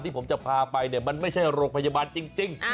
ที่ผมจะพาไปเนี่ยมันไม่ใช่โรงพยาบาลจริง